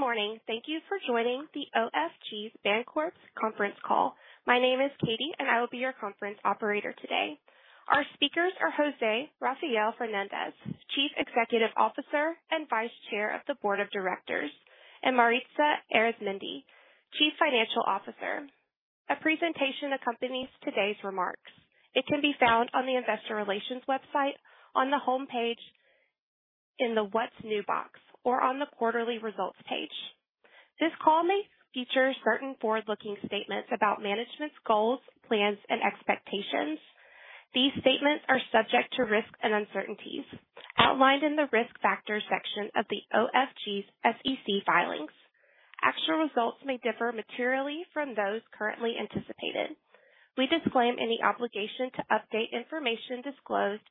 Good morning. Thank you for joining the OFG Bancorp conference call. My name is Katie and I will be your conference operator today. Our speakers are José Rafael Fernández, Chief Executive Officer and Vice Chair of the Board of Directors, and Maritza Arizmendi, Chief Financial Officer. A presentation accompanies today's remarks. It can be found on the investor relations website on the homepage in the What's New box or on the quarterly results page. This call may feature certain forward-looking statements about management's goals, plans, and expectations. These statements are subject to risks and uncertainties outlined in the Risk Factors section of the OFG's SEC filings. Actual results may differ materially from those currently anticipated. We disclaim any obligation to update information disclosed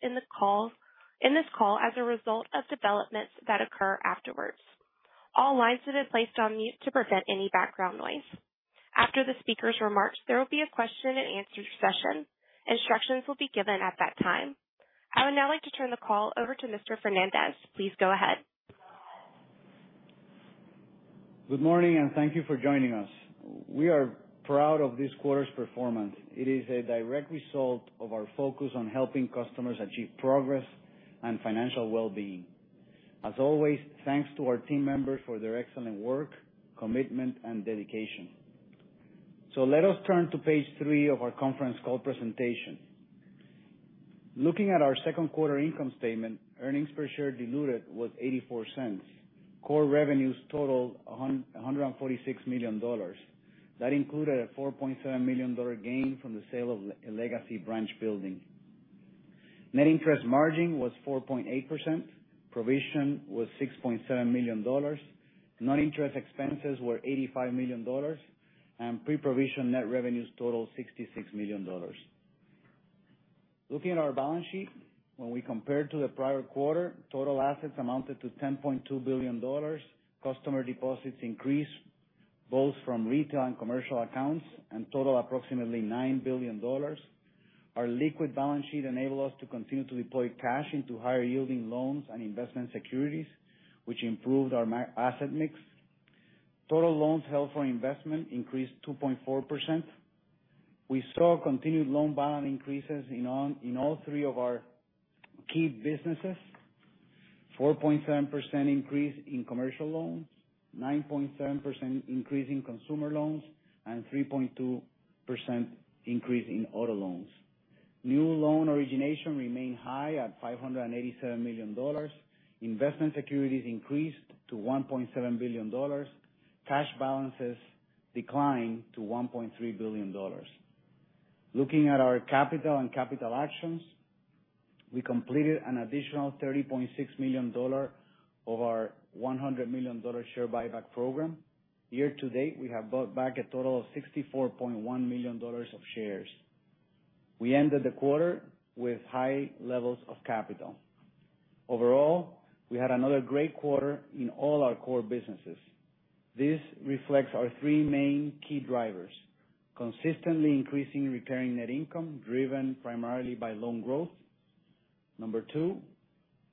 in this call as a result of developments that occur afterwards. All lines have been placed on mute to prevent any background noise. After the speaker's remarks, there will be a question-and-answer session. Instructions will be given at that time. I would now like to turn the call over to Mr. Fernández. Please go ahead. Good morning, and thank you for joining us. We are proud of this quarter's performance. It is a direct result of our focus on helping customers achieve progress and financial well-being. As always, thanks to our team members for their excellent work, commitment and dedication. Let us turn to page three of our conference call presentation. Looking at our second quarter income statement, earnings per share diluted was $0.84. Core revenues totaled $146 million. That included a $4.7 million gain from the sale of a legacy branch building. Net interest margin was 4.8%. Provision was $6.7 million. Non-interest expenses were $85 million. Pre-provision net revenues totaled $66 million. Looking at our balance sheet, when we compare to the prior quarter, total assets amounted to $10.2 billion. Customer deposits increased both from retail and commercial accounts and total approximately $9 billion. Our liquid balance sheet enabled us to continue to deploy cash into higher-yielding loans and investment securities, which improved our asset mix. Total loans held for investment increased 2.4%. We saw continued loan balance increases in all three of our key businesses. 4.7% increase in commercial loans, 9.7% increase in consumer loans, and 3.2% increase in auto loans. New loan origination remained high at $587 million. Investment securities increased to $1.7 billion. Cash balances declined to $1.3 billion. Looking at our capital and capital actions, we completed an additional $30.6 million of our $100 million share buyback program. Year to date, we have bought back a total of $64.1 million of shares. We ended the quarter with high levels of capital. Overall, we had another great quarter in all our core businesses. This reflects our three main key drivers. Consistently increasing profitability net income driven primarily by loan growth. Number two,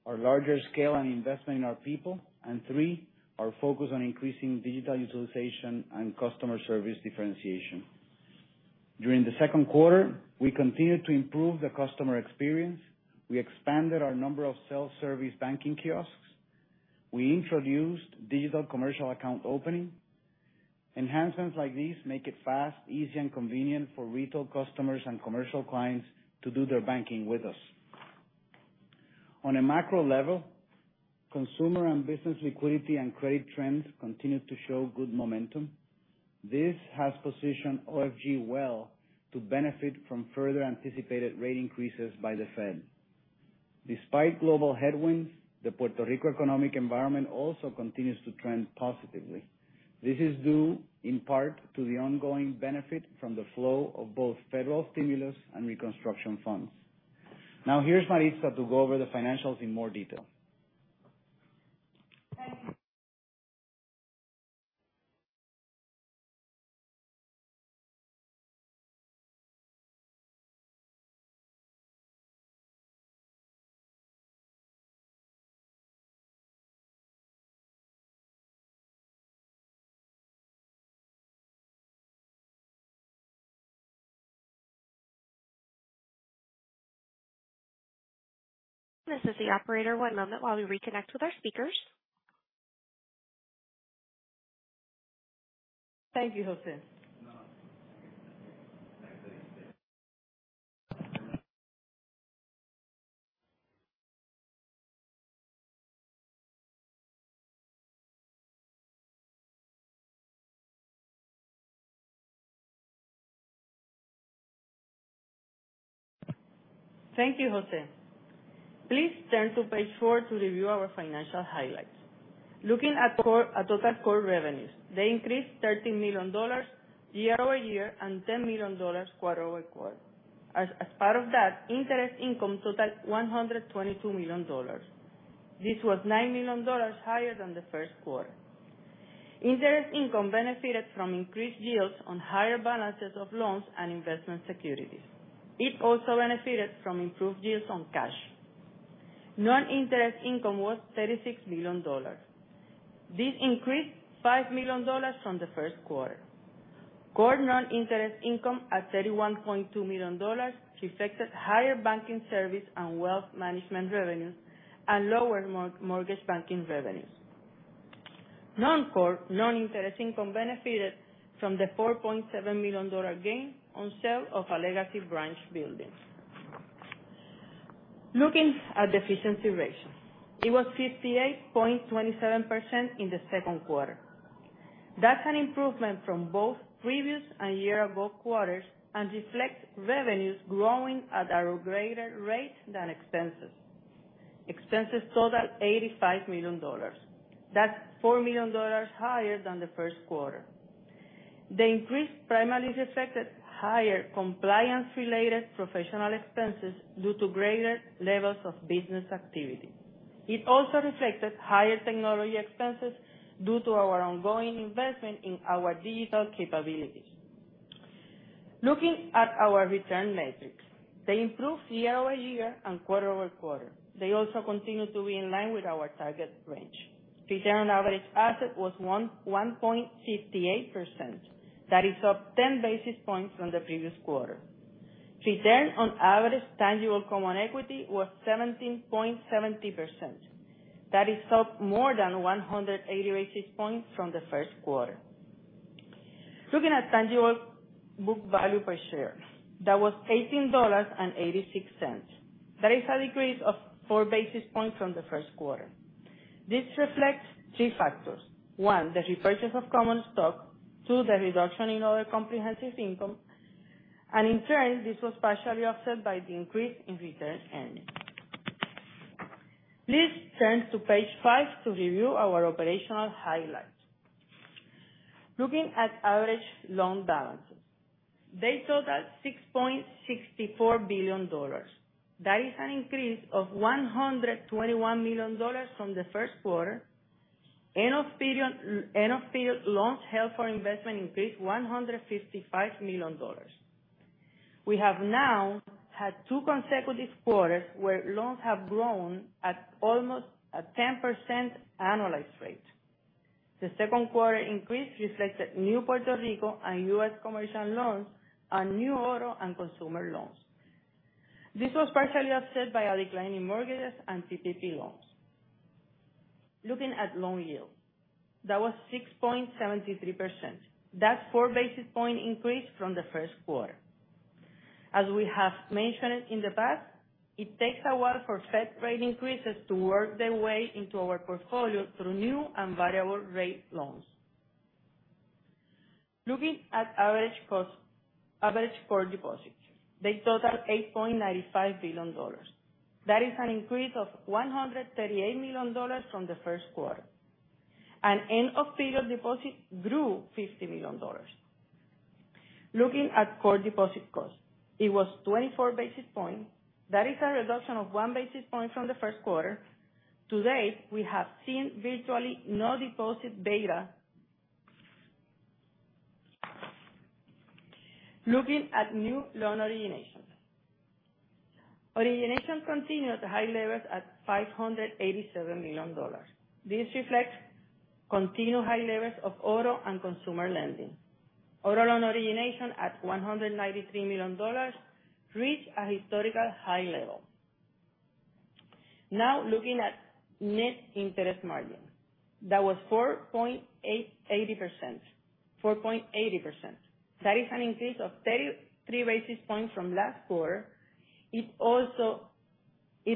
our larger scale and investment in our people. Three, our focus on increasing digital utilization and customer service differentiation. During the second quarter, we continued to improve the customer experience. We expanded our number of self-service banking kiosks. We introduced digital commercial account opening. Enhancements like these make it fast, easy, and convenient for retail customers and commercial clients to do their banking with us. On a macro level, consumer and business liquidity and credit trends continued to show good momentum. This has positioned OFG well to benefit from further anticipated rate increases by the Fed. Despite global headwinds, the Puerto Rico economic environment also continues to trend positively. This is due in part to the ongoing benefit from the flow of both federal stimulus and reconstruction funds. Now here's Maritza to go over the financials in more detail. This is the operator. One moment while we reconnect with our speakers. Thank you, José. Please turn to page four to review our financial highlights. Looking at total core revenues, they increased $13 million year-over-year and $10 million quarter-over-quarter. As part of that, interest income totaled $122 million. This was $9 million higher than the first quarter. Interest income benefited from increased yields on higher balances of loans and investment securities. It also benefited from improved yields on cash. Non-interest income was $36 million. This increased $5 million from the first quarter. Core non-interest income at $31.2 million reflected higher banking service and wealth management revenues and lower mortgage banking revenues. Non-core non-interest income benefited from the $4.7 million gain on sale of a legacy branch building. Looking at the efficiency ratio, it was 58.27% in the second quarter. That's an improvement from both the previous and year-ago quarters and reflects revenues growing at a greater rate than expenses. Expenses totaled $85 million. That's $4 million higher than the first quarter. The increase primarily reflected higher compliance-related professional expenses due to greater levels of business activity. It also reflected higher technology expenses due to our ongoing investment in our digital capabilities. Looking at our return metrics, they improved year-over-year and quarter-over-quarter. They also continue to be in line with our target range. Return on average asset was 1.58%. That is up 10 basis points from the previous quarter. Return on average tangible common equity was 17.70%. That is up more than 180 basis points from the first quarter. Looking at tangible book value per share, that was $18.86. That is a decrease of 4 basis points from the first quarter. This reflects three factors. One, the repurchase of common stock. Two, the reduction in other comprehensive income. In turn, this was partially offset by the increase in retained earnings. Please turn to page 5 to review our operational highlights. Looking at average loan balances, they totaled $6.64 billion. That is an increase of $121 million from the first quarter. End of period loans held for investment increased $155 million. We have now had two consecutive quarters where loans have grown at almost a 10% annualized rate. The second quarter increase reflected new Puerto Rico and U.S. commercial loans and new auto and consumer loans. This was partially offset by a decline in mortgages and PPP loans. Looking at loan yield, that was 6.73%. That's 4 basis points increase from the first quarter. As we have mentioned in the past, it takes a while for Fed rate increases to work their way into our portfolio through new and variable rate loans. Looking at average cost of average core deposits, they totaled $8.95 billion. That is an increase of $138 million from the first quarter. End of period deposits grew $50 million. Looking at core deposit costs, it was 24 basis points. That is a reduction of 1 basis point from the first quarter. To date, we have seen virtually no deposit beta. Looking at new loan originations. Originations continued at high levels at $587 million. This reflects continued high levels of auto and consumer lending. Auto loan origination at $193 million reached a historical high level. Now, looking at net interest margin. That was 4.80%. That is an increase of 33 basis points from last quarter. It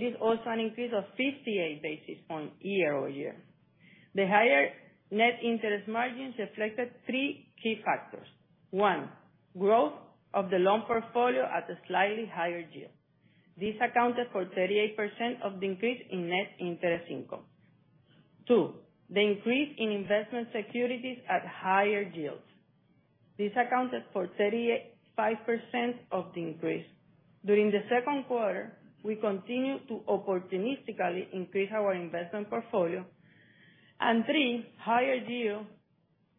is also an increase of 58 basis points year-over-year. The higher net interest margin reflected three key factors. One, growth of the loan portfolio at a slightly higher yield. This accounted for 38% of the increase in net interest income. Two, the increase in investment securities at higher yields. This accounted for 35% of the increase. During the second quarter, we continued to opportunistically increase our investment portfolio. Three, higher yield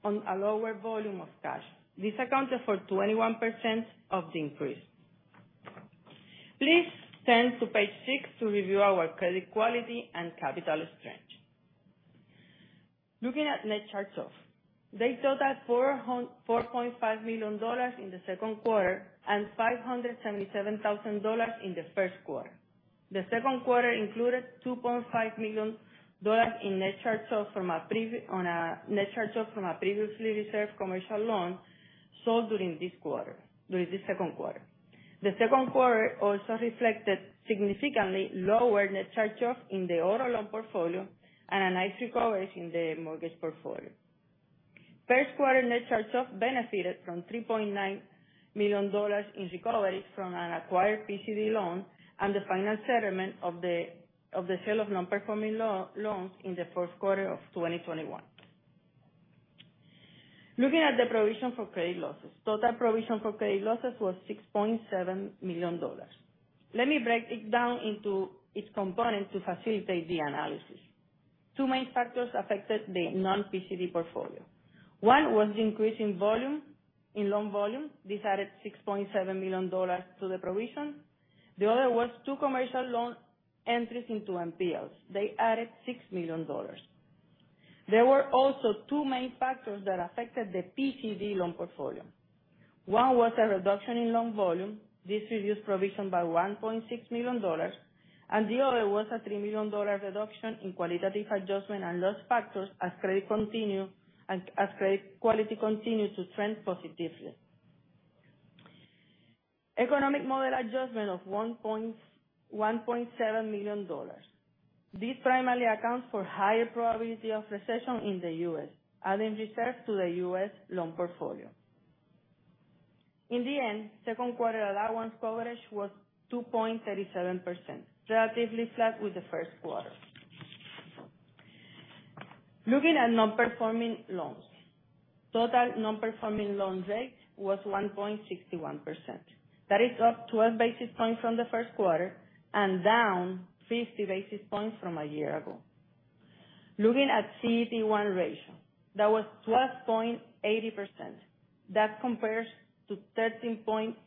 on a lower volume of cash. This accounted for 21% of the increase. Please turn to page 6 to review our credit quality and capital strength. Looking at net charge-off, they totaled $4.5 million in the second quarter and $577,000 in the first quarter. The second quarter included $2.5 million in net charge-offs from a previously reserved commercial loan sold during this quarter, during the second quarter. The second quarter also reflected significantly lower net charge-offs in the auto loan portfolio and a nice recovery in the mortgage portfolio. First quarter net charge-off benefited from $3.9 million in recovery from an acquired PCD loan and the final settlement of the sale of non-performing loans in the fourth quarter of 2021. Looking at the provision for credit losses. Total provision for credit losses was $6.7 million. Let me break it down into its components to facilitate the analysis. Two main factors affected the non-PCD portfolio. One was the increase in volume, in loan volume. This added $6.7 million to the provision. The other was two commercial loan entries into NPLs. They added $6 million. There were also two main factors that affected the PCD loan portfolio. One was a reduction in loan volume. This reduced provision by $1.6 million. The other was a $3 million reduction in qualitative adjustment and loss factors as credit quality continued to trend positively. Economic model adjustment of $1.7 million. This primarily accounts for higher probability of recession in the U.S., adding reserves to the U.S. loan portfolio. In the end, second quarter allowance coverage was 2.37%, relatively flat with the first quarter. Looking at non-performing loans. Total non-performing loans rate was 1.61%. That is up 12 basis points from the first quarter and down 50 basis points from a year ago. Looking at CET1 ratio, that was 12.80%. That compares to 13.24%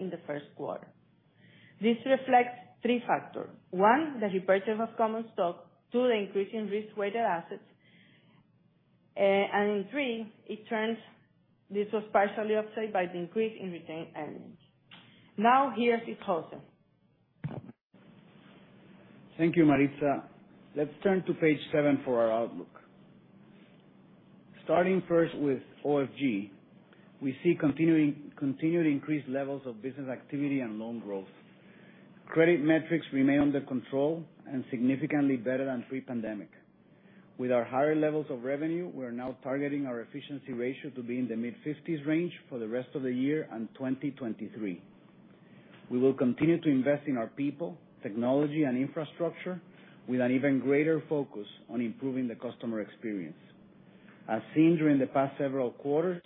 in the first quarter. This reflects three factors. One, the repurchase of common stock, two, the increase in risk-weighted assets, and three, it turns out this was partially offset by the increase in retained earnings. Now, here's José. Thank you, Maritza. Let's turn to page 7 for our outlook. Starting first with OFG, we see continuing increased levels of business activity and loan growth. Credit metrics remain under control and significantly better than pre-pandemic. With our higher levels of revenue, we're now targeting our efficiency ratio to be in the mid-fifties range for the rest of the year and 2023. We will continue to invest in our people, technology and infrastructure with an even greater focus on improving the customer experience. As seen during the past several quarters,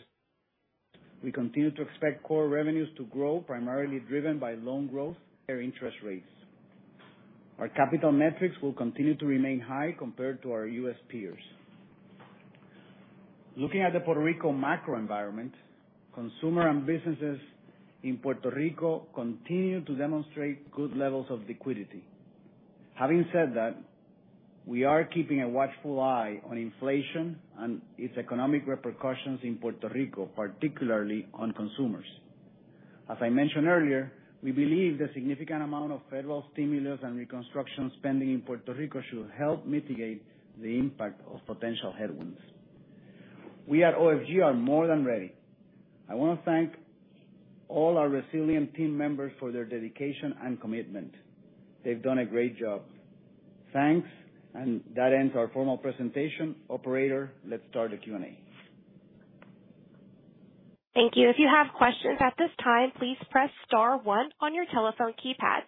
we continue to expect core revenues to grow, primarily driven by loan growth and interest rates. Our capital metrics will continue to remain high compared to our U.S. peers. Looking at the Puerto Rico macro environment, consumer and businesses in Puerto Rico continue to demonstrate good levels of liquidity. Having said that, we are keeping a watchful eye on inflation and its economic repercussions in Puerto Rico, particularly on consumers. As I mentioned earlier, we believe the significant amount of federal stimulus and reconstruction spending in Puerto Rico should help mitigate the impact of potential headwinds. We at OFG are more than ready. I wanna thank all our resilient team members for their dedication and commitment. They've done a great job. Thanks, and that ends our formal presentation. Operator, let's start the Q&A. Thank you. If you have questions at this time, please press star one on your telephone keypad.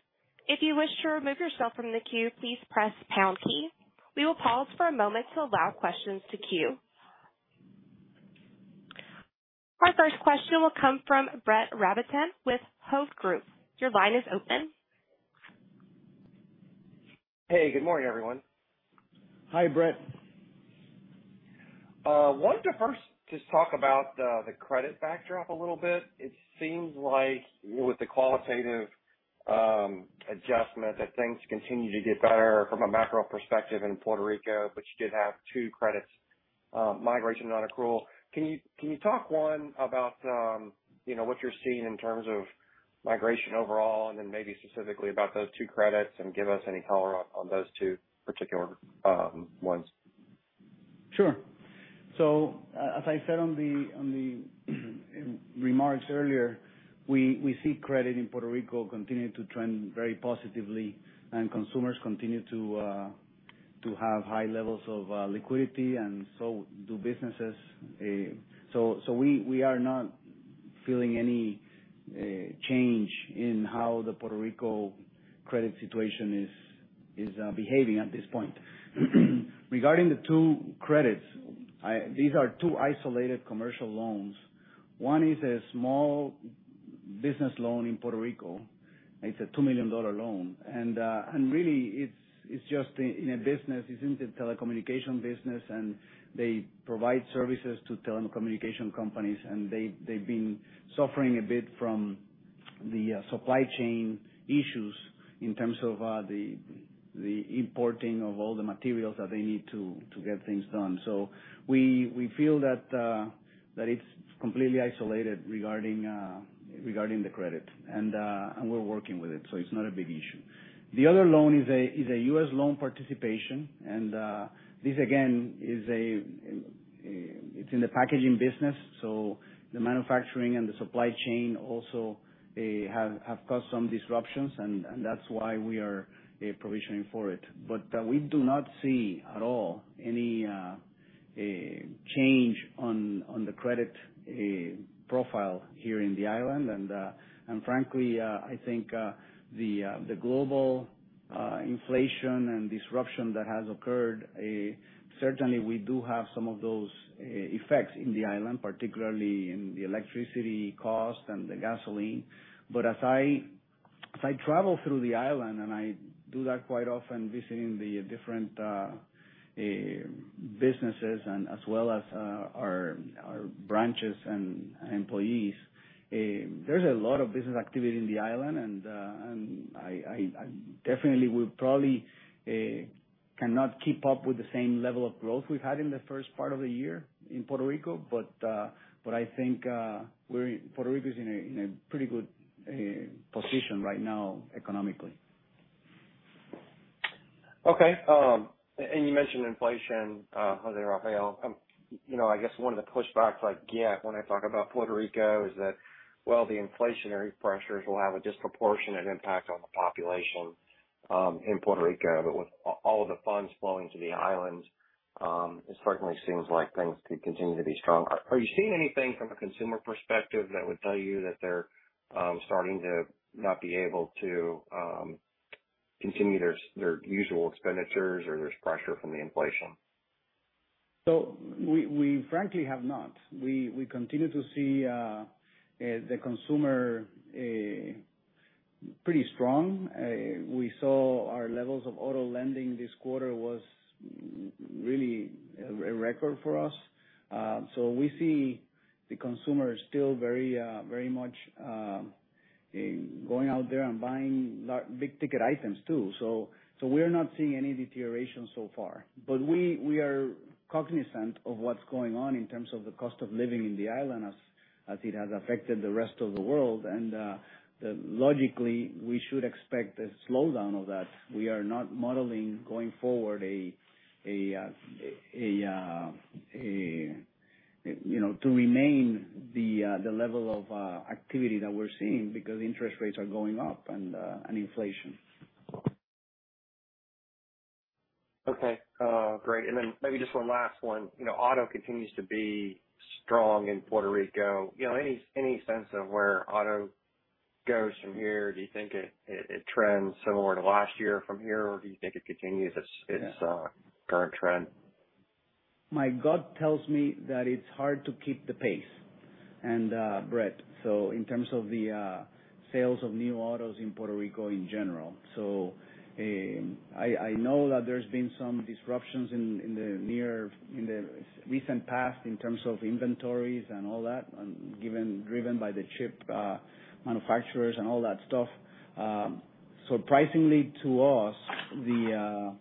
If you wish to remove yourself from the queue, please press pound key. We will pause for a moment to allow questions to queue. Our first question will come from Brett Rabatin with Hovde Group. Your line is open. Hey, good morning, everyone. Hi, Brett. Wanted to first just talk about the credit backdrop a little bit. It seems like with the qualitative adjustment that things continue to get better from a macro perspective in Puerto Rico, but you did have two credits migration non-accrual. Can you talk one about you know what you're seeing in terms of migration overall, and then maybe specifically about those two credits, and give us any color on those two particular ones? Sure. As I said in the remarks earlier, we see credit in Puerto Rico continuing to trend very positively and consumers continue to have high levels of liquidity and so do businesses. We are not feeling any change in how the Puerto Rico credit situation is behaving at this point. Regarding the two credits, these are two isolated commercial loans. One is a small business loan in Puerto Rico. It's a $2 million loan. Really, it's just a, you know, business. It's in the telecommunications business, and they provide services to telecommunications companies. They have been suffering a bit from the supply chain issues in terms of the importing of all the materials that they need to get things done. We feel that it's completely isolated regarding the credit, and we're working with it, so it's not a big issue. The other loan is a U.S. loan participation, and this again is in the packaging business, so the manufacturing and the supply chain also have caused some disruptions, and that's why we are provisioning for it. We do not see at all any change in the credit profile here in the island. Frankly, I think the global inflation and disruption that has occurred certainly we do have some of those effects in the island, particularly in the electricity cost and the gasoline. As I travel through the island, and I do that quite often visiting the different businesses and as well as our branches and employees, there's a lot of business activity in the island. I definitely will probably cannot keep up with the same level of growth we've had in the first part of the year in Puerto Rico. I think Puerto Rico is in a pretty good position right now economically. Okay. You mentioned inflation, José Rafael. You know, I guess one of the pushbacks I get when I talk about Puerto Rico is that, well, the inflationary pressures will have a disproportionate impact on the population in Puerto Rico. With all of the funds flowing to the island, it certainly seems like things could continue to be strong. Are you seeing anything from a consumer perspective that would tell you that they're starting to not be able to continue their usual expenditures or there's pressure from the inflation? We frankly have not. We continue to see the consumer pretty strong. We saw our levels of auto lending this quarter was really a record for us. We see the consumer still very, very much going out there and buying big ticket items too. We're not seeing any deterioration so far. We are cognizant of what's going on in terms of the cost of living in the island as it has affected the rest of the world. Logically, we should expect a slowdown of that. We are not modeling going forward, you know, to remain the level of activity that we're seeing because interest rates are going up and inflation. Okay. Great. Maybe just one last one. You know, auto continues to be strong in Puerto Rico. You know, any sense of where auto goes from here? Do you think it trends similar to last year from here, or do you think it continues its current trend? My gut tells me that it's hard to keep the pace. Brett, in terms of the sales of new autos in Puerto Rico in general. I know that there's been some disruptions in the recent past in terms of inventories and all that driven by the chip manufacturers and all that stuff. Surprisingly to us, the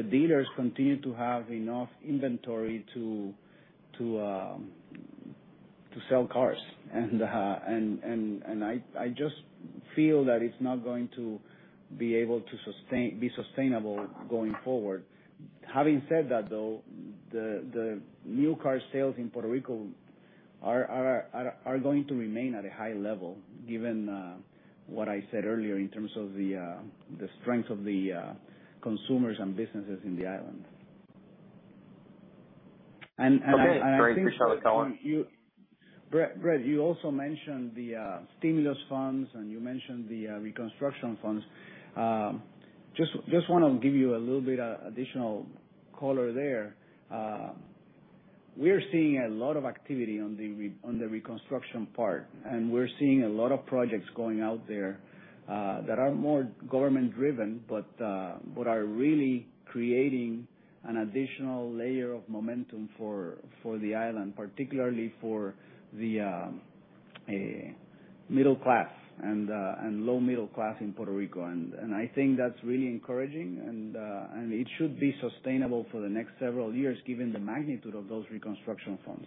dealers continue to have enough inventory to sell cars. I just feel that it's not going to be able to be sustainable going forward. Having said that, though, the new car sales in Puerto Rico are going to remain at a high level given what I said earlier in terms of the strength of the consumers and businesses in the island. I think. Okay. Great. Appreciate the color. Brett, you also mentioned the stimulus funds, and you mentioned the reconstruction funds. Just wanna give you a little bit of additional color there. We're seeing a lot of activity on the reconstruction part, and we're seeing a lot of projects going out there that are more government driven, but are really creating an additional layer of momentum for the island, particularly for the middle class and low middle class in Puerto Rico. I think that's really encouraging and it should be sustainable for the next several years, given the magnitude of those reconstruction funds.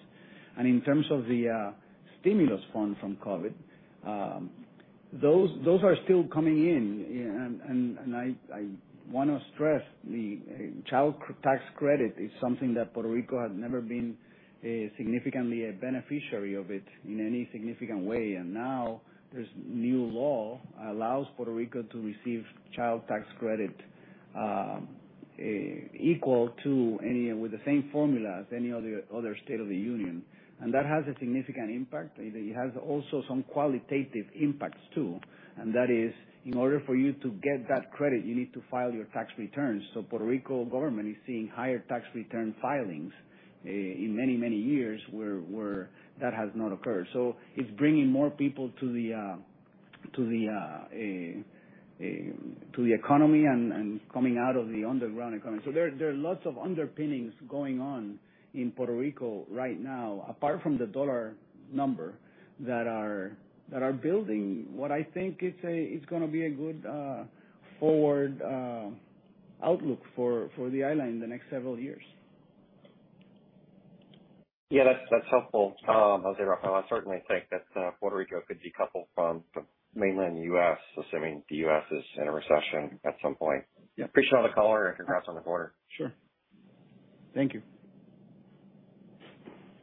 In terms of the stimulus funds from COVID, those are still coming in. I wanna stress the child tax credit is something that Puerto Rico has never been significantly a beneficiary of it in any significant way. Now there's new law allows Puerto Rico to receive child tax credit equal to any and with the same formula as any other state of the union. That has a significant impact. It has also some qualitative impacts too. That is, in order for you to get that credit, you need to file your tax returns. Puerto Rico government is seeing higher tax return filings in many years where that has not occurred. It's bringing more people to the economy and coming out of the underground economy. There are lots of underpinnings going on in Puerto Rico right now, apart from the dollar number, that are building what I think is gonna be a good forward outlook for the island in the next several years. Yeah, that's helpful, José Rafael. I certainly think that Puerto Rico could decouple from the mainland U.S., assuming the U.S. is in a recession at some point. Yeah. Appreciate all the color and congrats on the quarter. Sure. Thank you.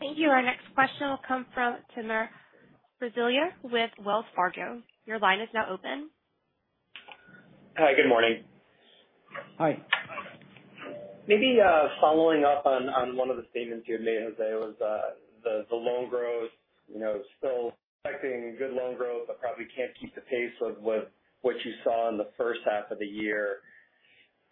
Thank you. Our next question will come from Timur Braziler with Wells Fargo. Your line is now open. Hi, good morning. Hi. Maybe, following up on one of the statements you had made, José, was the loan growth. You know, still expecting good loan growth, but probably can't keep the pace of what you saw in the first half of the year.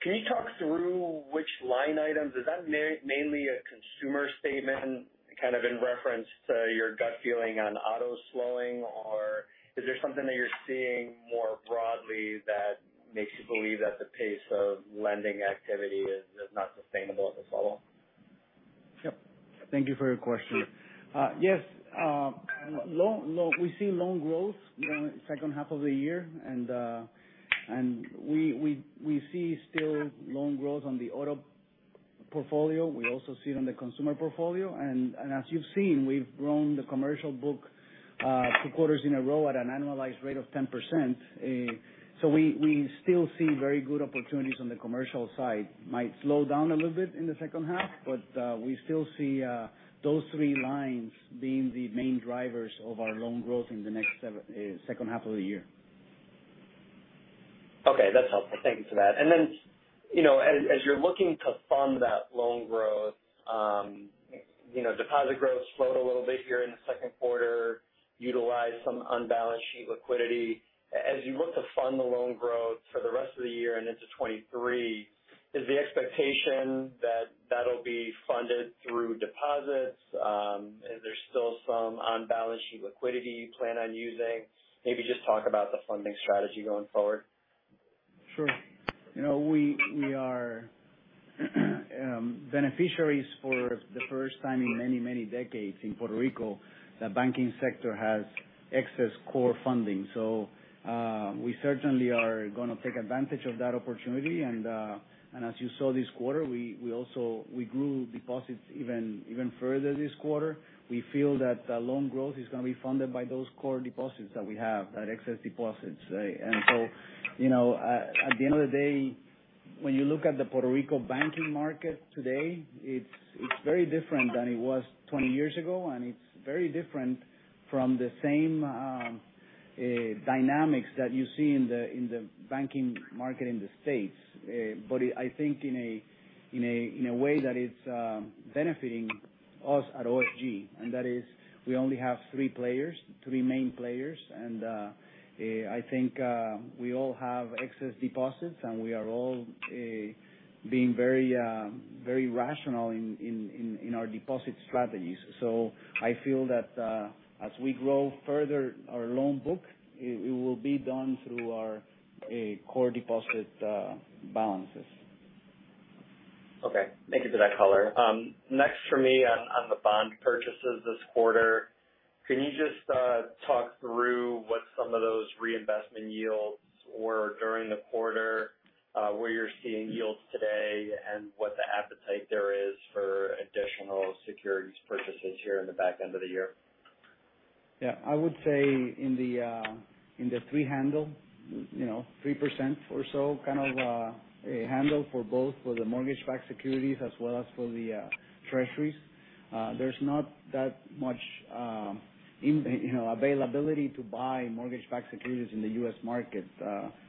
Can you talk through which line items? Is that mainly a consumer statement kind of in reference to your gut feeling on auto slowing, or is there something that you're seeing more broadly that makes you believe that the pace of lending activity is not sustainable at this level? Yep. Thank you for your question. Yes, we see loan growth during the second half of the year. We still see loan growth on the auto portfolio. We also see it on the consumer portfolio. As you've seen, we've grown the commercial book two quarters in a row at an annualized rate of 10%. We still see very good opportunities on the commercial side. It might slow down a little bit in the second half, but we still see those three lines being the main drivers of our loan growth in the second half of the year. Okay, that's helpful. Thank you for that. You know, as you're looking to fund that loan growth, you know, deposit growth slowed a little bit here in the second quarter, utilized some on balance sheet liquidity. As you look to fund the loan growth for the rest of the year and into 2023, is the expectation that that'll be funded through deposits, is there still some on balance sheet liquidity you plan on using? Maybe just talk about the funding strategy going forward. Sure. You know, we are beneficiaries for the first time in many decades in Puerto Rico, the banking sector has excess core funding. We certainly are gonna take advantage of that opportunity. As you saw this quarter, we also grew deposits even further this quarter. We feel that the loan growth is gonna be funded by those core deposits that we have, that excess deposits. You know, at the end of the day, when you look at the Puerto Rico banking market today, it's very different than it was 20 years ago, and it's very different from the same dynamics that you see in the banking market in the States. I think in a way that it's benefiting us at OFG, and that is we only have three main players. I think we all have excess deposits, and we are all being very rational in our deposit strategies. I feel that as we grow further our loan book, it will be done through our core deposit balances. Okay. Thank you for that color. Next for me on the bond purchases this quarter, can you just talk through what some of those reinvestment yields were during the quarter, where you're seeing yields today and what the appetite there is for additional securities purchases here in the back end of the year? Yeah. I would say in the three handle, you know, 3% or so, kind of handle for both the mortgage-backed securities as well as for the Treasuries. There's not that much availability to buy mortgage-backed securities in the U.S. market.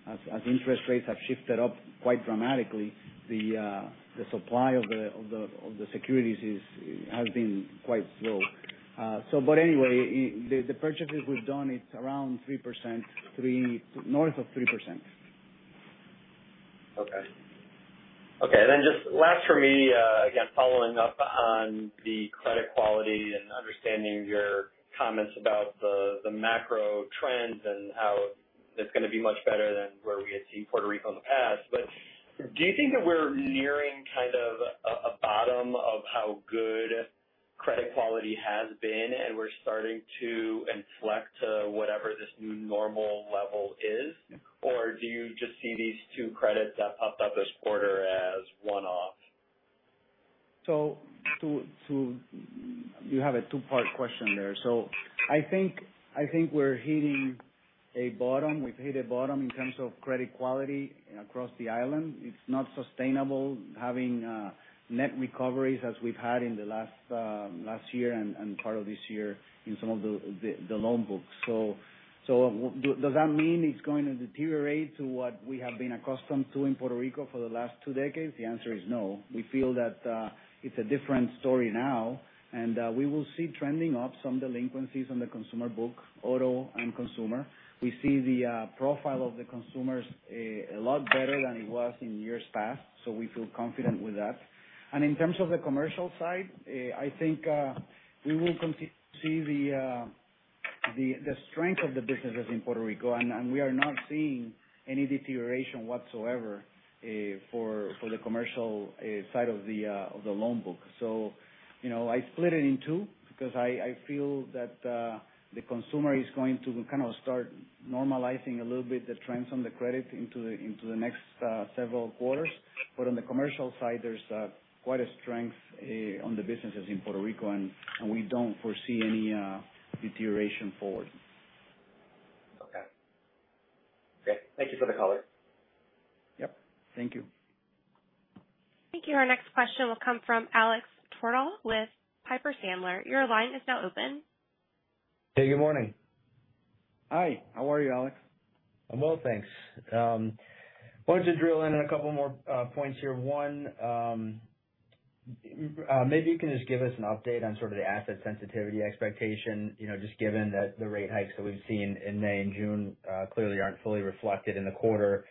As interest rates have shifted up quite dramatically, the supply of the securities has been quite slow. But anyway, the purchases we've done is around 3%, north of 3%. Okay, just last for me, again, following up on the credit quality and understanding your comments about the macro trends and how it's gonna be much better than where we had seen Puerto Rico in the past. Do you think that we're nearing kind of a bottom of how good credit quality has been, and we're starting to inflect to whatever this new normal level is? Or do you just see these two credits that popped up this quarter as one-off? You have a two-part question there. I think we're hitting a bottom. We've hit a bottom in terms of credit quality across the island. It's not sustainable having net recoveries as we've had in the last year and part of this year in some of the loan books. Does that mean it's going to deteriorate to what we have been accustomed to in Puerto Rico for the last two decades? The answer is no. We feel that it's a different story now, and we will see trending up some delinquencies on the consumer book, auto and consumer. We see the profile of the consumers a lot better than it was in years past, so we feel confident with that. In terms of the commercial side, I think we will continue to see the strength of the businesses in Puerto Rico. We are not seeing any deterioration whatsoever for the commercial side of the loan book. You know, I split it in two because I feel that the consumer is going to kind of start normalizing a little bit the trends on the credit into the next several quarters. On the commercial side, there's quite a strength on the businesses in Puerto Rico, and we don't foresee any deterioration forward. Okay. Okay, thank you for the color. Yep. Thank you. Thank you. Our next question will come from Alex Twerdahl with Piper Sandler. Your line is now open. Hey, good morning. Hi, how are you, Alex? I'm well, thanks. Wanted to drill in on a couple more points here. One, maybe you can just give us an update on sort of the asset sensitivity expectation, you know, just given that the rate hikes that we've seen in May and June clearly aren't fully reflected in the quarter.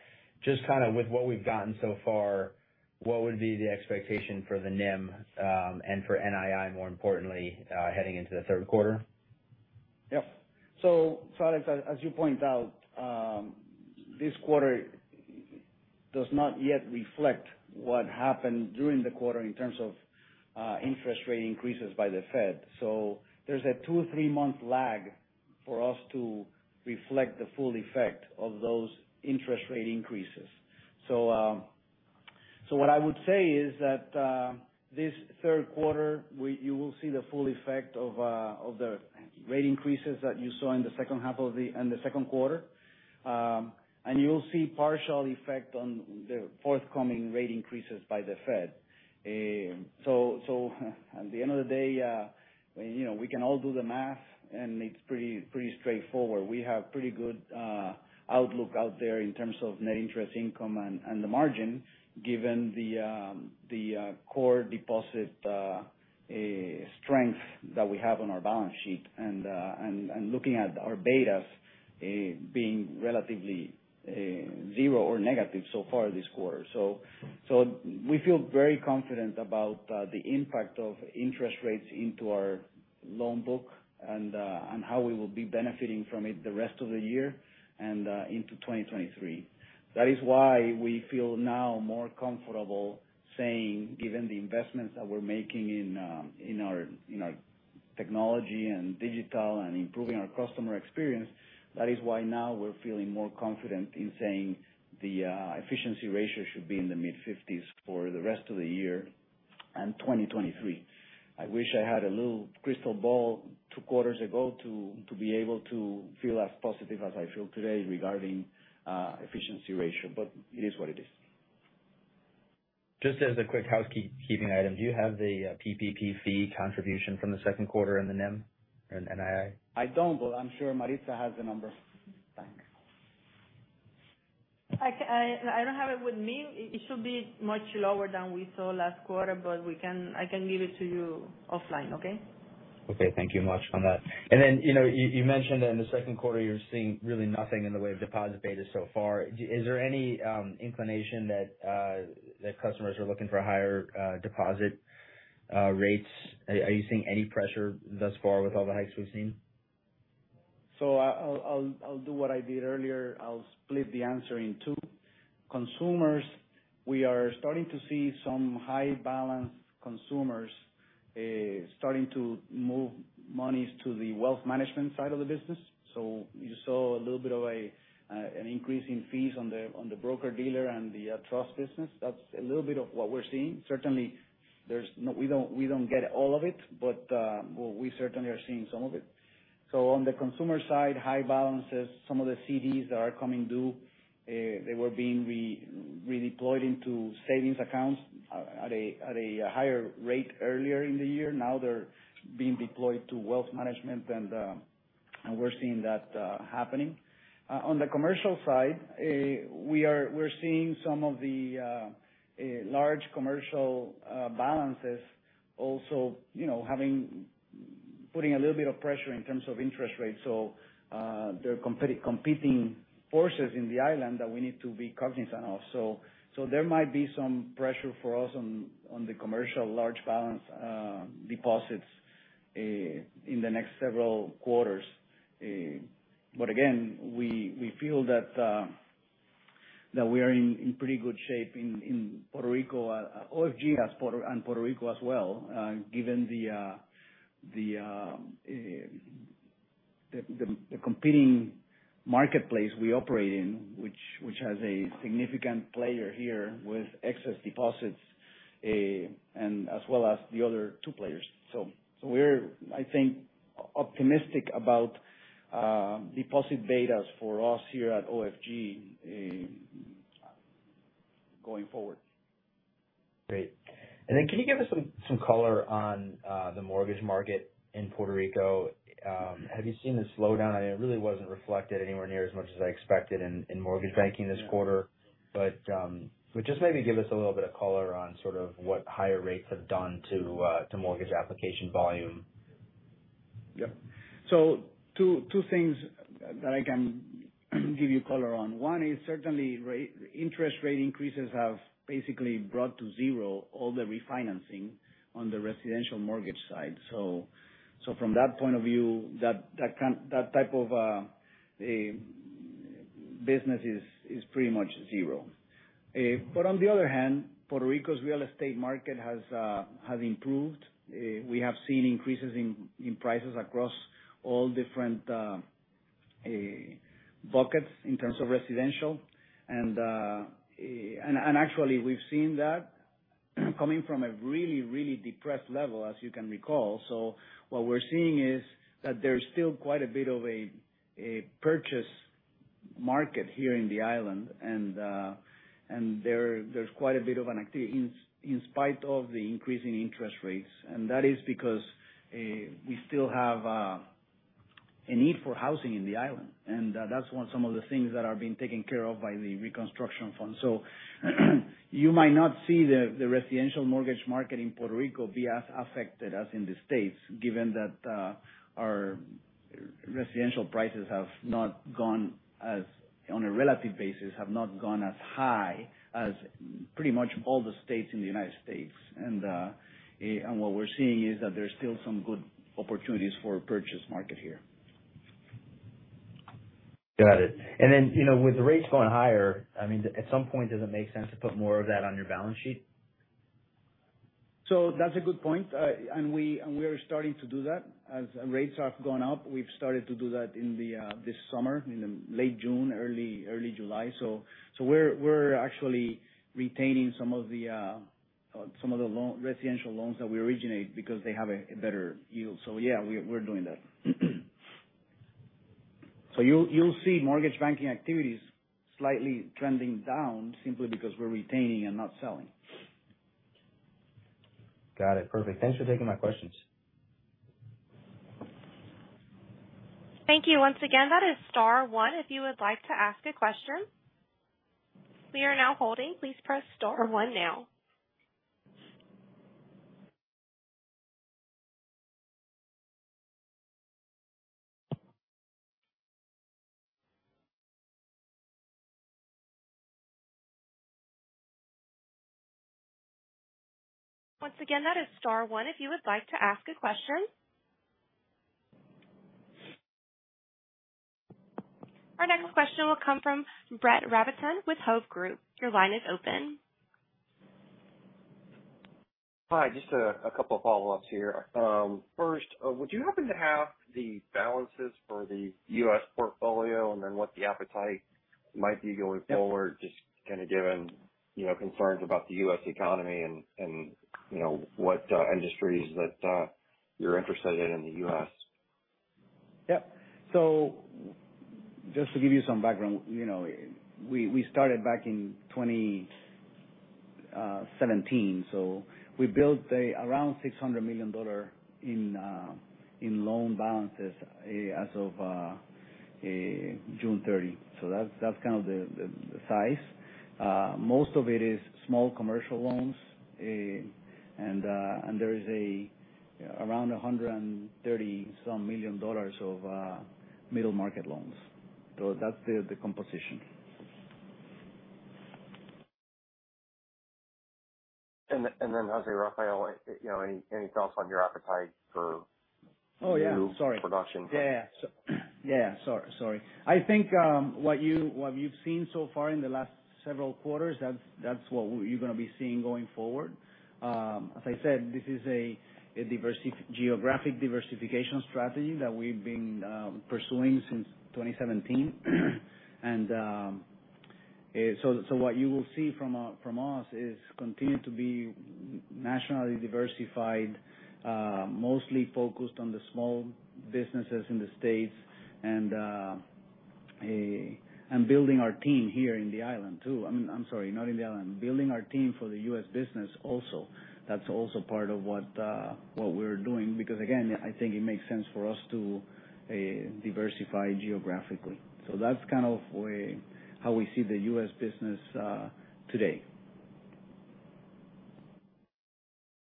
Just kinda with what we've gotten so far, what would be the expectation for the NIM and for NII, more importantly, heading into the third quarter? Yep. Alex, as you point out, this quarter does not yet reflect what happened during the quarter in terms of interest rate increases by the Fed. There's a two or three-month lag for us to reflect the full effect of those interest rate increases. What I would say is that this third quarter, you will see the full effect of the rate increases that you saw in the second half of the second quarter. You'll see partial effect on the forthcoming rate increases by the Fed. At the end of the day, you know, we can all do the math and it's pretty straightforward. We have pretty good outlook out there in terms of net interest income and the margin given the core deposit strength that we have on our balance sheet and looking at our betas being relatively zero or negative so far this quarter. We feel very confident about the impact of interest rates into our loan book and how we will be benefiting from it the rest of the year and into 2023. That is why we feel now more comfortable saying, given the investments that we're making in our technology and digital and improving our customer experience, that is why now we're feeling more confident in saying the efficiency ratio should be in the mid-fifties for the rest of the year and 2023. I wish I had a little crystal ball two quarters ago to be able to feel as positive as I feel today regarding efficiency ratio. It is what it is. Just as a quick housekeeping item, do you have the PPP fee contribution from the second quarter in the NIM and NII? I don't, but I'm sure Maritza has the number. Thanks. I don't have it with me. It should be much lower than we saw last quarter, but I can give it to you offline, okay? Okay. Thank you much on that. You know, you mentioned in the second quarter you're seeing really nothing in the way of deposit beta so far. Is there any inclination that customers are looking for higher deposit rates? Are you seeing any pressure thus far with all the hikes we've seen? I do what I did earlier. I'll split the answer in two. Consumers, we are starting to see some high balance consumers starting to move monies to the wealth management side of the business. You saw a little bit of an increase in fees on the broker-dealer and the trust business. That's a little bit of what we're seeing. Certainly there's no, we don't get all of it, but we certainly are seeing some of it. On the consumer side, high balances, some of the CDs that are coming due, they were being redeployed into savings accounts at a higher rate earlier in the year. Now they're being deployed to wealth management and we're seeing that happening. On the commercial side, we're seeing some of the large commercial balances also, you know, having, putting a little bit of pressure in terms of interest rates. There are competing forces in the island that we need to be cognizant of. There might be some pressure for us on the commercial large balance deposits in the next several quarters. But again, we feel that we are in pretty good shape in Puerto Rico, OFG and Puerto Rico as well, given the competing marketplace we operate in which has a significant player here with excess deposits, and as well as the other two players. We're, I think, optimistic about deposit betas for us here at OFG going forward. Great. Can you give us some color on the mortgage market in Puerto Rico? Have you seen the slowdown? It really wasn't reflected anywhere near as much as I expected in mortgage banking this quarter. Just maybe give us a little bit of color on sort of what higher rates have done to mortgage application volume. Yep. Two things that I can give you color on. One is certainly interest rate increases have basically brought to zero all the refinancing on the residential mortgage side. From that point of view, that type of business is pretty much zero. On the other hand, Puerto Rico's real estate market has improved. We have seen increases in prices across all different buckets in terms of residential. And actually we've seen that coming from a really depressed level, as you can recall. What we're seeing is that there's still quite a bit of a purchase market here in the island and there's quite a bit of activity in spite of the increasing interest rates. That is because we still have a need for housing in the island. That's when some of the things that are being taken care of by the reconstruction fund. You might not see the residential mortgage market in Puerto Rico be as affected as in the States, given that our residential prices have not gone, on a relative basis, as high as pretty much all the states in the United States. What we're seeing is that there's still some good opportunities for purchase market here. Got it. You know, with the rates going higher, I mean, at some point, does it make sense to put more of that on your balance sheet? That's a good point. We are starting to do that. As rates have gone up, we've started to do that in this summer, in late June, early July. We're actually retaining some of the residential loans that we originate because they have a better yield. Yeah, we're doing that. You'll see mortgage banking activities slightly trending down simply because we're retaining and not selling. Got it. Perfect. Thanks for taking my questions. Thank you. Once again, that is star one if you would like to ask a question. We are now holding. Please press star one now. Once again, that is star one if you would like to ask a question. Our next question will come from Brett Rabatin with Hovde Group. Your line is open. Hi, just a couple of follow-ups here. First, would you happen to have the balances for the U.S. portfolio and then what the appetite might be going forward, just kinda given, you know, concerns about the U.S. economy and, you know, what industries that you're interested in in the U.S.? Yeah. Just to give you some background, you know, we started back in 2017, so we built around $600 million in loan balances as of June 30th. That's kind of the size. Most of it is small commercial loans, and there is around $130-some million of middle market loans. That's the composition. José Rafael Fernández, you know, any thoughts on your appetite for? Oh, yeah, sorry. New production? Yeah. Yeah, sorry. I think what you've seen so far in the last several quarters, that's what you're gonna be seeing going forward. As I said, this is a geographic diversification strategy that we've been pursuing since 2017. So what you will see from us is continue to be nationally diversified, mostly focused on the small businesses in the States and building our team here in the island too. I'm sorry, not in the island. Building our team for the U.S. business also. That's also part of what we're doing, because again, I think it makes sense for us to diversify geographically. That's kind of way how we see the U.S. business today.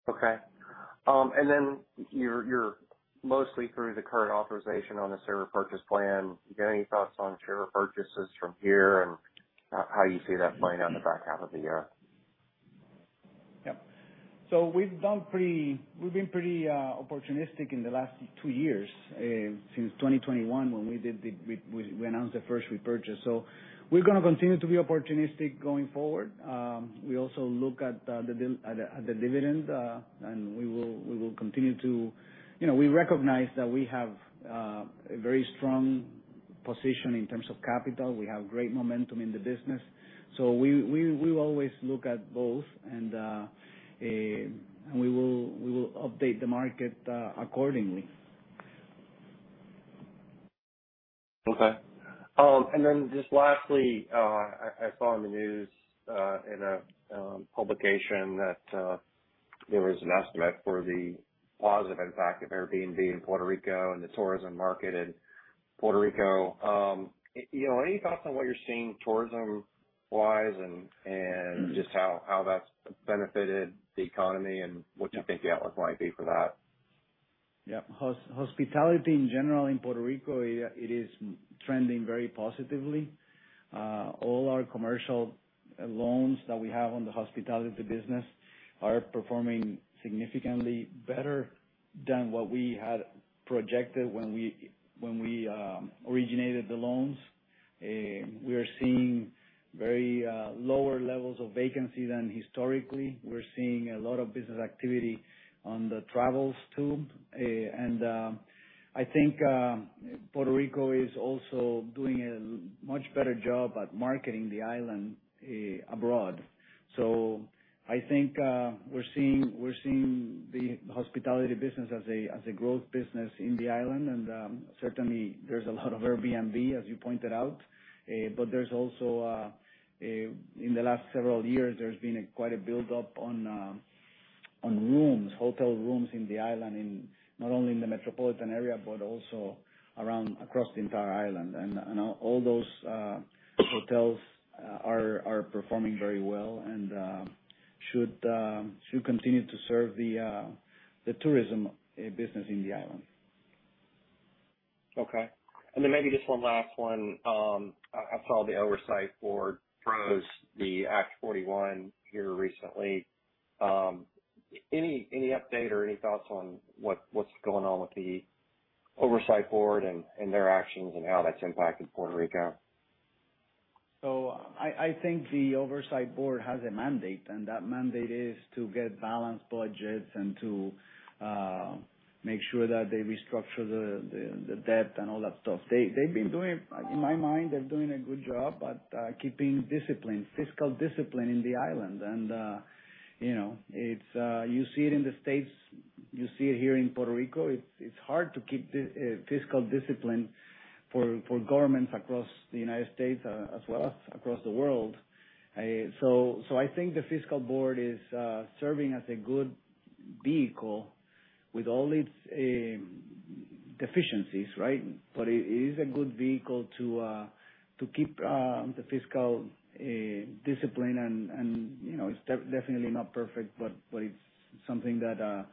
Okay. You're mostly through the current authorization on the share repurchase plan. You got any thoughts on share purchases from here and how you see that playing out in the back half of the year? Yeah. We've been pretty opportunistic in the last two years since 2021 when we announced the first repurchase. We're gonna continue to be opportunistic going forward. We also look at the dividend and we will continue to. You know, we recognize that we have a very strong position in terms of capital. We have great momentum in the business. We will always look at both and we will update the market accordingly. Okay. Just lastly, I saw in the news, in a publication that there was an estimate for the positive impact of Airbnb in Puerto Rico and the tourism market in Puerto Rico. You know, any thoughts on what you're seeing tourism-wise and just how that's benefited the economy and what you think the outlook might be for that? Yeah. Hospitality in general in Puerto Rico, it is trending very positively. All our commercial loans that we have on the hospitality business are performing significantly better than what we had projected when we originated the loans. We are seeing very lower levels of vacancy than historically. We're seeing a lot of business activity on the travels too. I think Puerto Rico is also doing a much better job at marketing the island abroad. I think we're seeing the hospitality business as a growth business in the island. Certainly there's a lot of Airbnb, as you pointed out. There's also, in the last several years, there's been quite a build up on rooms, hotel rooms in the island, not only in the metropolitan area, but also around, across the entire island. All those hotels are performing very well and should continue to serve the tourism business in the island. Okay. Maybe just one last one. I saw the oversight board froze the Act 41-2022 here recently. Any update or any thoughts on what's going on with the oversight board and their actions and how that's impacted Puerto Rico? I think the oversight board has a mandate, and that mandate is to get balanced budgets and to make sure that they restructure the debt and all that stuff. They've been doing. In my mind, they're doing a good job at keeping discipline, fiscal discipline in the island. You see it in the States, you see it here in Puerto Rico. It's hard to keep fiscal discipline for governments across the United States as well as across the world. I think the fiscal board is serving as a good vehicle with all its deficiencies, right? It is a good vehicle to keep the fiscal discipline and you know, it's definitely not perfect, but it's something that is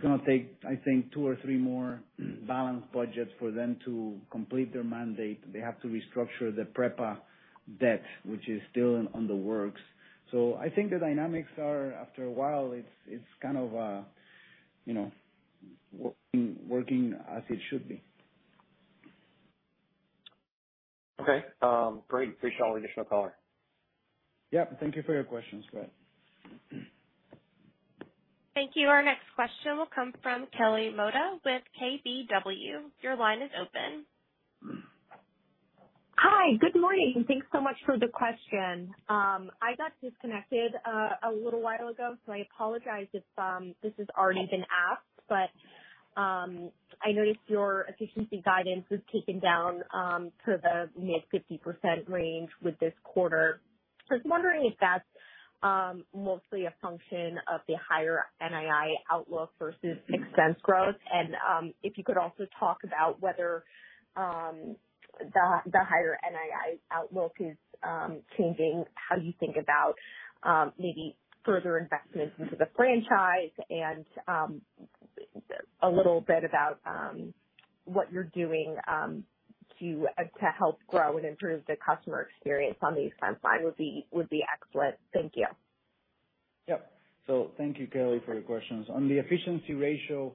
gonna take, I think, two or three more balanced budgets for them to complete their mandate. They have to restructure the PREPA debt, which is still in the works. I think the dynamics are, after a while, it's kind of you know, working as it should be. Okay. Great. Please call our additional caller. Yeah. Thank you for your questions, Brett. Thank you. Our next question will come from Kelly Motta with KBW. Your line is open. Hi. Good morning, and thanks so much for the question. I got disconnected a little while ago, so I apologize if this has already been asked, but I noticed your efficiency guidance has come down to the mid-50% range with this quarter. I was wondering if that's mostly a function of the higher NII outlook versus expense growth. If you could also talk about whether the higher NII outlook is changing how you think about maybe further investments into the franchise and a little bit about what you're doing to help grow and improve the customer experience on these fronts. That would be excellent. Thank you. Yep. Thank you, Kelly, for your questions. On the efficiency ratio,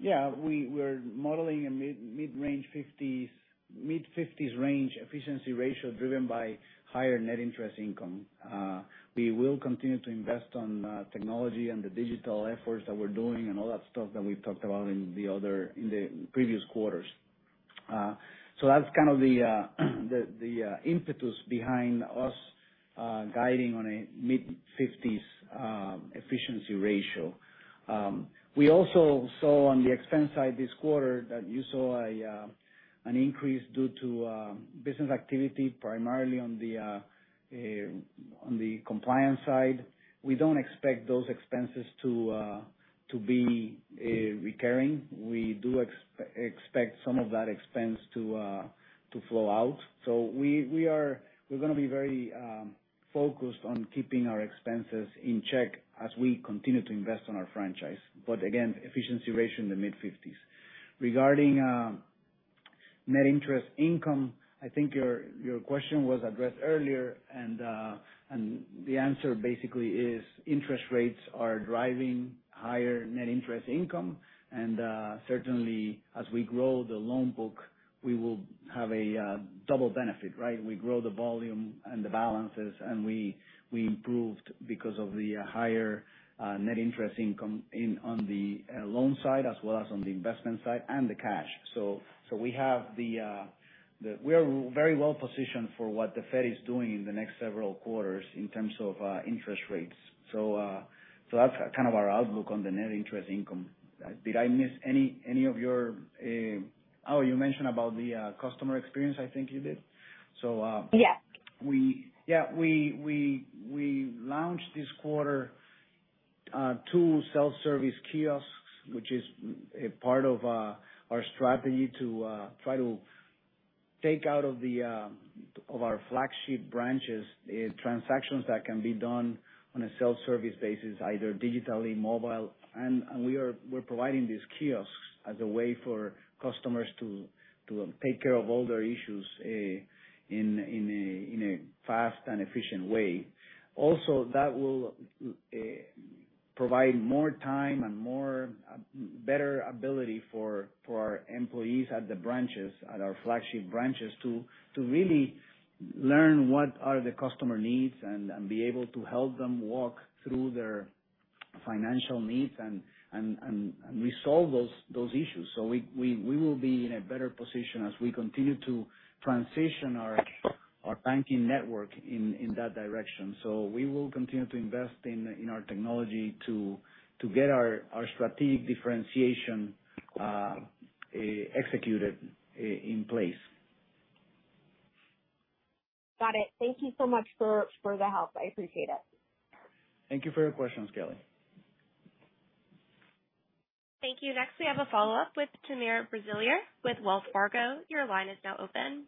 we're modeling a mid-fifties range efficiency ratio driven by higher net interest income. We will continue to invest on technology and the digital efforts that we're doing and all that stuff that we've talked about in the previous quarters. That's kind of the impetus behind us guiding on a mid-fifties efficiency ratio. We also saw on the expense side this quarter that you saw an increase due to business activity, primarily on the compliance side. We don't expect those expenses to be recurring. We do expect some of that expense to flow out. We're gonna be very focused on keeping our expenses in check as we continue to invest on our franchise. Again, efficiency ratio in the mid-50s. Regarding net interest income, I think your question was addressed earlier, and the answer basically is interest rates are driving higher net interest income. Certainly as we grow the loan book, we will have a double benefit, right? We grow the volume and the balances, and we improved because of the higher net interest income on the loan side as well as on the investment side and the cash. We are very well positioned for what the Fed is doing in the next several quarters in terms of interest rates. That's kind of our outlook on the net interest income. Did I miss any of your? Oh, you mentioned about the customer experience, I think you did. Yeah. We launched this quarter two self-service kiosks, which is a part of our strategy to try to take out of our flagship branches transactions that can be done on a self-service basis, either digitally, mobile. We are providing these kiosks as a way for customers to take care of all their issues in a fast and efficient way. Also, that will provide more time and more better ability for our employees at the branches, at our flagship branches to really learn what are the customer needs and be able to help them walk through their financial needs and resolve those issues. We will be in a better position as we continue to transition our banking network in that direction. We will continue to invest in our technology to get our strategic differentiation executed in place. Got it. Thank you so much for the help. I appreciate it. Thank you for your questions, Kelly. Thank you. Next, we have a follow-up with Timur Braziler with Wells Fargo. Your line is now open.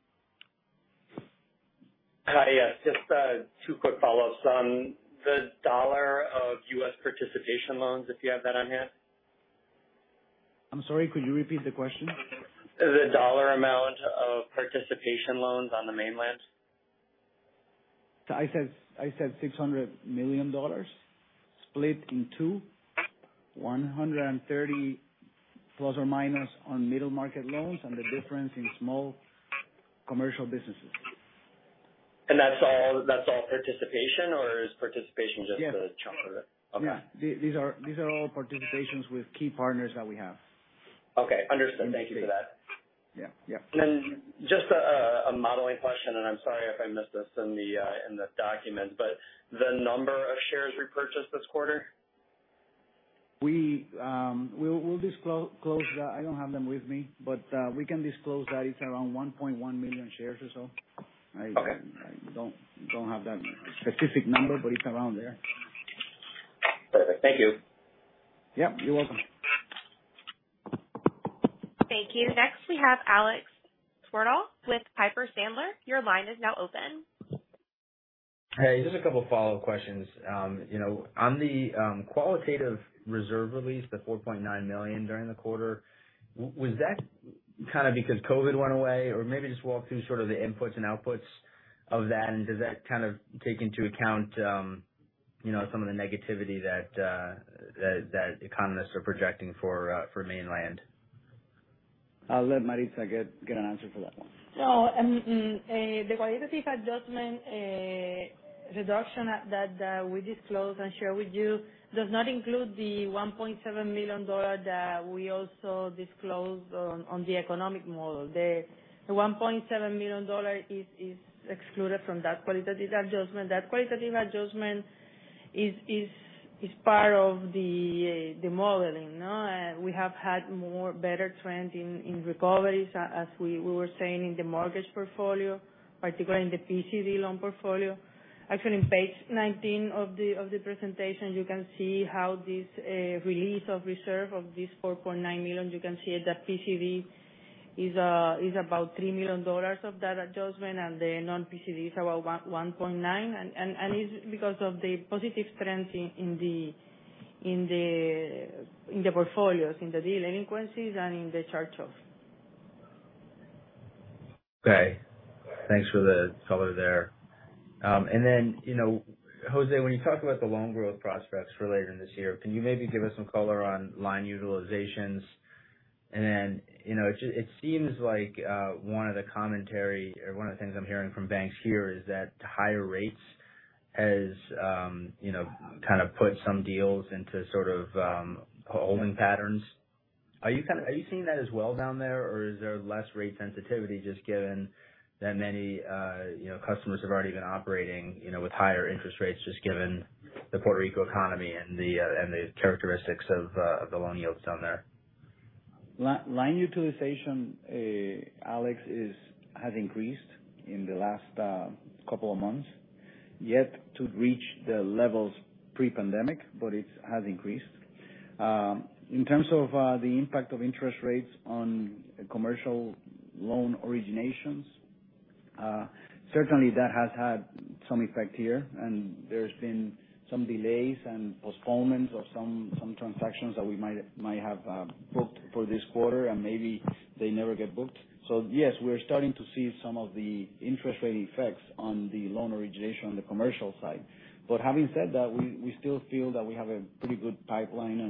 Hi, yes. Just two quick follow-ups on the dollar of U.S. participation loans, if you have that on hand. I'm sorry, could you repeat the question? The dollar amount of participation loans on the mainland. I said $600 million split in two. 130± on middle market loans and the difference in small commercial businesses. That's all participation, or is participation just? Yeah. A chunk of it? Okay. Yeah. These are all participations with key partners that we have. Okay. Understood. Thank you for that. Yeah. Yeah. Just a modeling question, and I'm sorry if I missed this in the documents, but the number of shares repurchased this quarter. We'll disclose that. I don't have them with me, but we can disclose that it's around 1.1 million shares or so. Okay. I don't have that specific number, but it's around there. Perfect. Thank you. Yeah, you're welcome. Thank you. Next, we have Alex Twerdahl with Piper Sandler. Your line is now open. Hey, just a couple follow-up questions. You know, on the qualitative reserve release, the $4.9 million during the quarter, was that kind of because COVID went away or maybe just walk through sort of the inputs and outputs of that? Does that kind of take into account, you know, some of the negativity that economists are projecting for mainland? I'll let Maritza get an answer for that one. No, the qualitative adjustment reduction that we disclosed and share with you does not include the $1.7 million that we also disclosed on the economic model. The $1.7 million is excluded from that qualitative adjustment. That qualitative adjustment is part of the modeling. We have had more better trend in recoveries, as we were saying in the mortgage portfolio, particularly in the PCD loan portfolio. Actually in page 19 of the presentation, you can see how this release of reserve of this $4.9 million. You can see that PCD is about $3 million of that adjustment, and the non-PCD is about $1.9 million. It is because of the positive trends in the portfolios, in the delinquencies and in the charge-off. Okay. Thanks for the color there. Then, you know, José, when you talk about the loan growth prospects for later this year, can you maybe give us some color on line utilizations? It seems like one of the comments or one of the things I'm hearing from banks here is that higher rates has kind of put some deals into sort of holding patterns. Are you kinda seeing that as well down there, or is there less rate sensitivity just given that many customers have already been operating with higher interest rates just given the Puerto Rico economy and the characteristics of the loan yields down there? Line utilization, Alex, has increased in the last couple of months. Yet to reach the levels pre-pandemic, but it has increased. In terms of the impact of interest rates on commercial loan originations, certainly that has had some effect here, and there's been some delays and postponements of some transactions that we might have booked for this quarter, and maybe they never get booked. Yes, we're starting to see some of the interest rate effects on the loan origination on the commercial side. Having said that, we still feel that we have a pretty good pipeline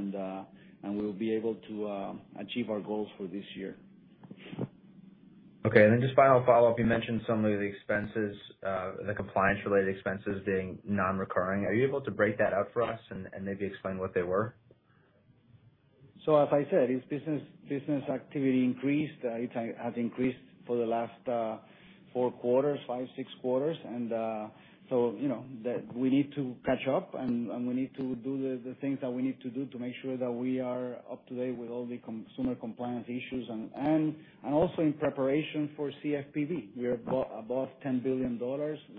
and we'll be able to achieve our goals for this year. Okay. Then just final follow-up. You mentioned some of the expenses, the compliance related expenses being non-recurring. Are you able to break that out for us and maybe explain what they were? As I said, it's business activity increased. It has increased for the last four quarters, five, six quarters. You know, we need to catch up and we need to do the things that we need to do to make sure that we are up to date with all the consumer compliance issues and also in preparation for CFPB. We are above $10 billion.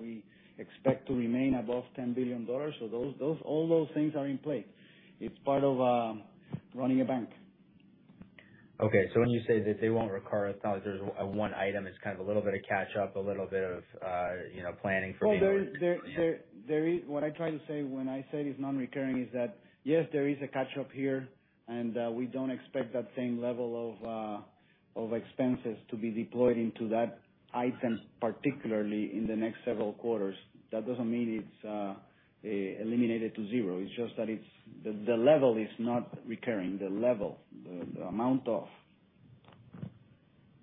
We expect to remain above $10 billion. Those all those things are in play. It's part of running a bank. Okay. When you say that they won't recur, it's not a one-time item, it's kind of a little bit of catch up, a little bit of, you know, planning for. Well, what I try to say when I say it's non-recurring is that, yes, there is a catch up here and we don't expect that same level of expenses to be deployed into that item, particularly in the next several quarters. That doesn't mean it's eliminated to zero. It's just that it's the level is not recurring.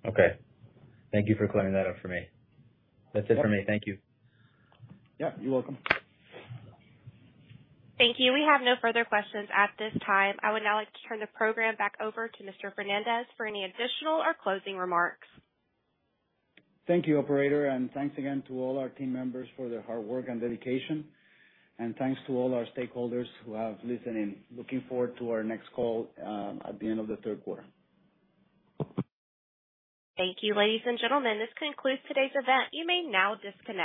Okay. Thank you for clearing that up for me. That's it for me. Thank you. Yeah, you're welcome. Thank you. We have no further questions at this time. I would now like to turn the program back over to Mr. Fernández for any additional or closing remarks. Thank you, operator. Thanks again to all our team members for their hard work and dedication. Thanks to all our stakeholders who have listened in. Looking forward to our next call at the end of the third quarter. Thank you, ladies and gentlemen. This concludes today's event. You may now disconnect.